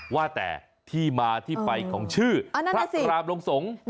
ว่าแต่ที่มาที่ไปของชื่อพระศิรามลงสงฆ์